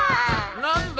何だ？